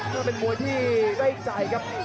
ก็เป็นมวยที่ได้ใจครับ